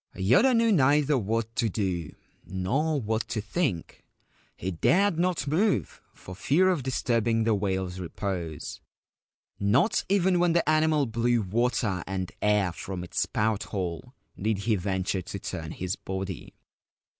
Yoda knew neither what to do nor what to think ; he dared not move, for fear of disturbing the whale's repose. Not even when the animal blew water and air from its spout hole did he 198 Whales venture to turn his body.